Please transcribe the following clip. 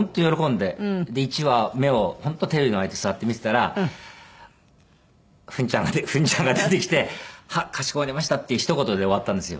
で１話目を本当テレビの前で座って見てたらフンちゃんが出てきて「はっかしこまりました」っていうひと言で終わったんですよ。